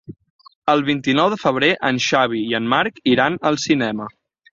El vint-i-nou de febrer en Xavi i en Marc iran al cinema.